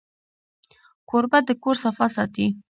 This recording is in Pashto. کوربه د کور صفا ساتي.